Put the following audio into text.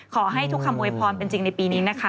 ขอให้ทุกคำโวยพรเป็นจริงในปีนี้นะคะ